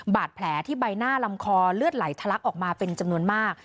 บาดแผลที่ใบหน้าลำคอเลือดไหลทะลักออกมาเป็นจำนวนมาก